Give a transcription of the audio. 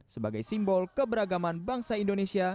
sebagai simbol keberagaman bangsa indonesia